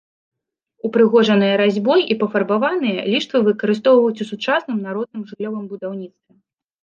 Упрыгожаныя разьбой і пафарбаваныя ліштвы выкарыстоўваюць у сучасным народным жыллёвым будаўніцтве.